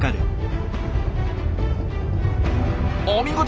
お見事！